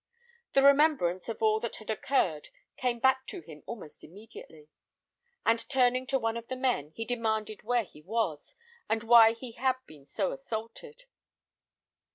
The remembrance of all that had occurred came back to him almost immediately; and turning to one of the men, he demanded where he was, and why he had been so assaulted.